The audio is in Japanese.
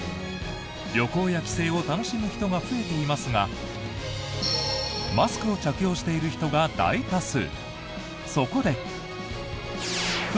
旅行や帰省を楽しむ人が増えていますがマスクを着用している人が大多数。